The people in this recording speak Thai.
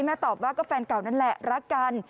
ตอบว่าก็แฟนเก่านั่นแหละรักกัน